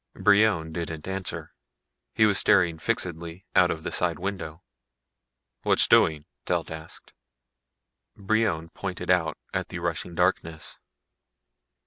Brion didn't answer. He was staring fixedly out of the side window. "What's doing?" Telt asked. Brion pointed out at the rushing darkness.